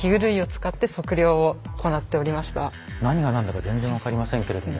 何が何だか全然分かりませんけれども。